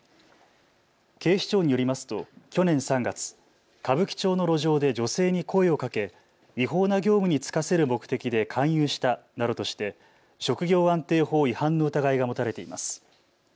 警視庁によりますと去年３月、歌舞伎町の路上で女性に声をかけ違法な業務に就かせる目的で勧誘したなどとして職業安定法違反の疑いが持たれています。